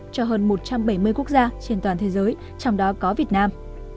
cho hơn một trăm bảy mươi quốc gia trên toàn thế giới trong đó có việt nam